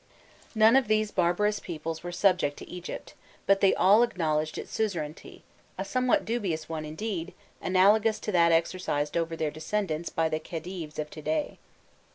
None of these barbarous peoples were subject to Egypt, but they all acknowledged its suzerainty, a somewhat dubious one, indeed, analogous to that exercised over their descendants by the Khedives of to day.